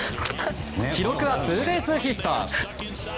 記録はツーベースヒット。